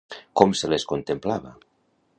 Com se les contemplava?